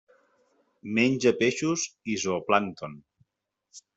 Menja peixos i zooplàncton.